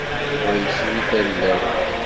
Yuba yesri tallalt.